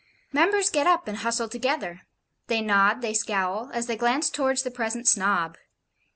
Members get up and hustle together; they nod, they scowl, as they glance towards the present Snob.